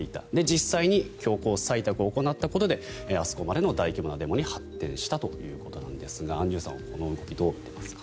実際に強行採択を行ったことであそこまでの大規模なデモに発展したということですがアンジュさん、この動きどう見ていますか？